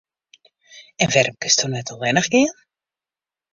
En wêrom kinsto net allinnich gean?